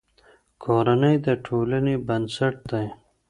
کورنۍ د ټولنې بنسټ دی.